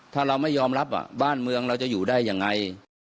ถ้าเราไม่ยอมรับบ้านเมืองเราจะอยู่ได้ยังไง